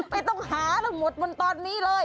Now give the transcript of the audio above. ไม่ต้องหาหมดวันตอนนี้เลย